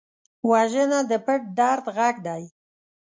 وژنه د پټ درد غږ دی